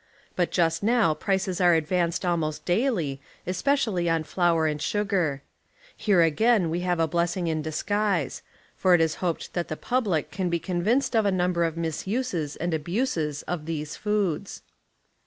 But just now prices are advanced almost daily, especially on flour and sugar. Here again we liave a blessing in disguise, for it is hoped that the public can be con vinced of a number of misuses and abuses of these foods.